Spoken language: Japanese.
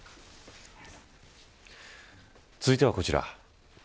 続いてはこちら。